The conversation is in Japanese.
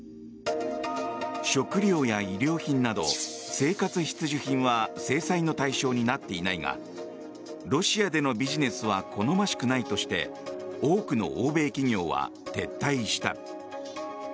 食料や衣料品など、生活必需品は制裁の対象になっていないがロシアでのビジネスは好ましくないとして多くの欧米企業は撤退した。